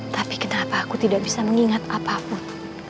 tapi kenapa aku tidak bisa mengingat apapun